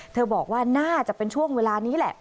บอกว่าน่าจะเป็นช่วงเวลานี้แหละ